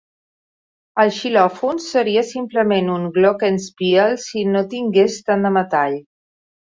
El xilòfon seria simplement un glockenspiel si no tingués tant de metall.